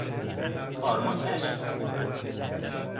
کارما کشکه